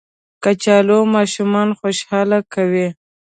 کچالو ماشومان خوشحاله کوي